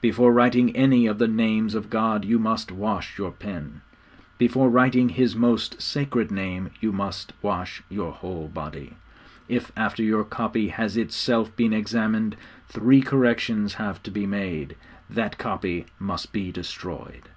Before writing any of the names of God you must wash your pen: before writing His most sacred Name you must wash your whole body. If, after your copy has itself been examined, three corrections have to be made, that copy must be destroyed.'